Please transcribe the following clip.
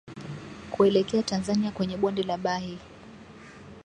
kuelekea Tanzania kwenye bonde la Bahi